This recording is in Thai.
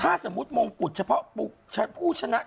ถ้าสมมุติมงกุฎเฉพาะผู้ชนะ